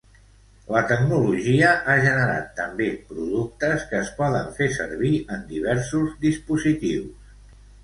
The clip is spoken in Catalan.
La tecnologia ha generat també productes que es poden fer servir en diversos dispositius.